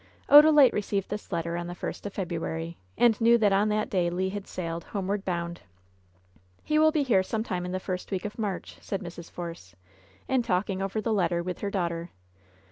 Odalite received this letter on the first of February, and knew that on that day Le had sailed, homeward bound. "He will be here some time in the first week of March," said Mrs. Force, in talking over the letter with her daughter.